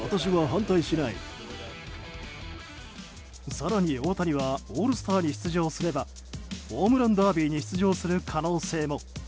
更に大谷はオールスターに出場すればホームランダービーに出場する可能性も。